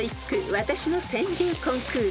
わたしの川柳コンクール」］